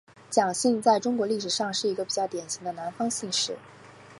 蒋姓在中国历史上是一个比较典型的南方姓氏。